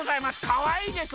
かわいいでしょ？